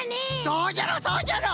そうじゃろそうじゃろ！